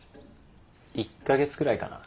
１か月くらいかな。